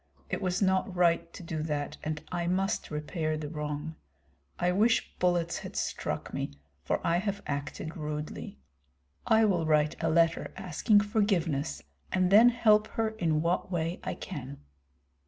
It was not right to do that, and I must repair the wrong. I wish bullets had struck me, for I have acted rudely. I will write a letter asking forgiveness, and then help her in what way I can."